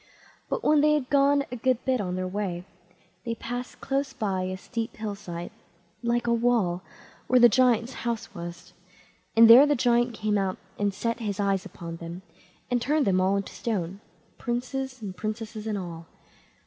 But when they had gone a good bit on their way, they passed close by a steep hill side, like a wall, where the giant's house was, and there the giant came out, and set his eyes upon them, and turned them all into stone, princes and princesses and all.